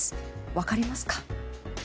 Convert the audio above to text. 分かりますか？